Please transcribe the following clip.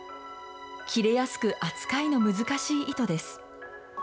切れやすく扱いの難しい糸です。